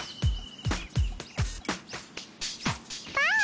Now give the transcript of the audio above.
ばあっ！